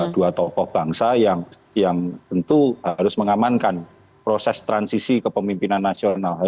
dua tokoh bangsa yang tentu harus mengamankan proses transisi kepemimpinan nasional